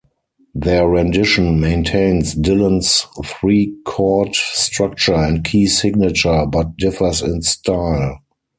Their rendition maintains Dylan's three chord structure and key signature but differs in style.